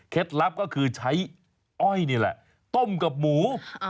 ลับก็คือใช้อ้อยนี่แหละต้มกับหมู